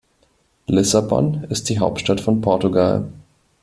Lissabon ist die Hauptstadt von Portugal.